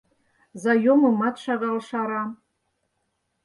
Заёмымат шагал шара.